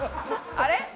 あれ？